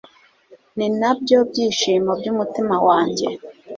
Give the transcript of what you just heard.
ni na byo byishimo by’umutima wanjye